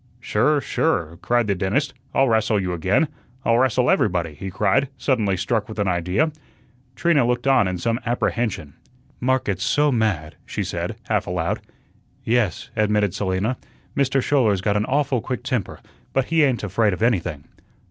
"Sure, sure," cried the dentist. "I'll rastle you again. I'll rastle everybody," he cried, suddenly struck with an idea. Trina looked on in some apprehension. "Mark gets so mad," she said, half aloud. "Yes," admitted Selina. "Mister Schouler's got an awful quick temper, but he ain't afraid of anything."